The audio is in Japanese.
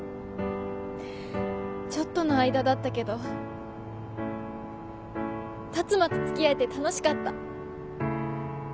ちょっとの間だったけど辰馬とつきあえて楽しかった。